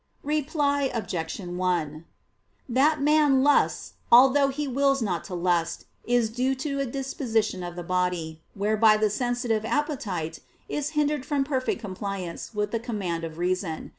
Reply Obj. 1: That man lusts, although he wills not to lust, is due to a disposition of the body, whereby the sensitive appetite is hindered from perfect compliance with the command of reason.